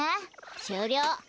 しゅうりょう！